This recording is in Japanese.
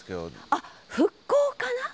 あっ復興かな？